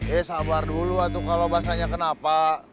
eh sabar dulu aduh kalo basahnya kenapa